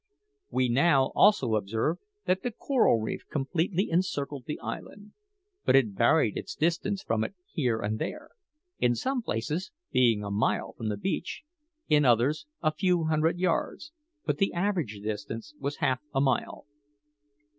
We now also observed that the coral reef completely encircled the island; but it varied its distance from it here and there in some places being a mile from the beach, in others a few hundred yards, but the average distance was half a mile.